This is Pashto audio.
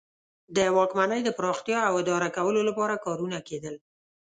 د واکمنۍ د پراختیا او اداره کولو لپاره کارونه کیدل.